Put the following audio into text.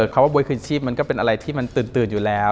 คำว่าบ๊วยคืนชีพมันก็เป็นอะไรที่มันตื่นอยู่แล้ว